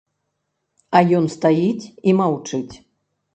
А ён стаіць і маўчыць.